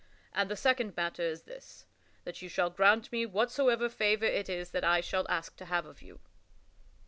And the second matter is this: that you shall grant me whatsoever favor it is that I shall have to ask of you."